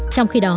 trong khi đó